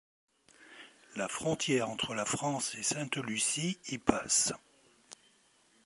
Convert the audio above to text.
La frontière entre la France et Sainte-Lucie y passe.